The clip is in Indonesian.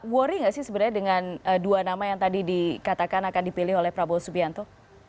worry gak sih sebenarnya dengan dua nama yang tadi dikatakan akan dipilih oleh prabowo subianto